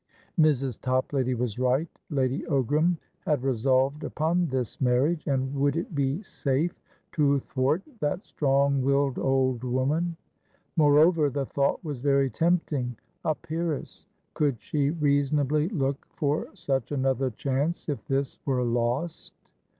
Mrs. Toplady was right; Lady Ogram had resolved upon this marriage, and would it be safe to thwart that strong willed old woman? Moreover, the thought was very tempting. A peeress! Could she reasonably look for such another chance, if this were lost?